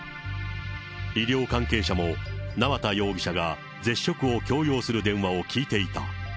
医療関係者も縄田容疑者が絶食を強要する電話を聞いていた。